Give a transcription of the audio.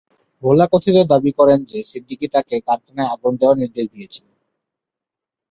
ভোলা কথিত দাবি করেন যে সিদ্দিকী তাকে কারখানায় আগুন দেওয়ার নির্দেশ দিয়েছিলেন।